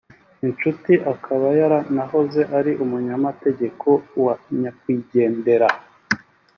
inshuti akaba yaranahoze ari umunyamategeko wa nyakwigendera